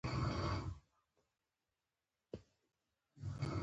جډیجا په ټولو فرنچائز لیګونو کښي لوبېدلی.